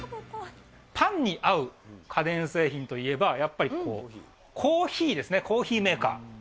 パンに合う家電製品といえば、やっぱりコーヒーですね、コーヒーメーカー。